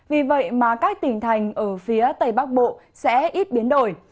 vì vậy mà các tỉnh thành ở phía tây bắc bộ sẽ ít biến đổi